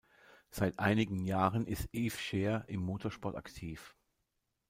Seit einigen Jahren ist Eve Scheer im Motorsport aktiv.